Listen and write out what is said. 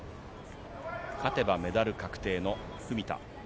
勝てばメダル確定の文田。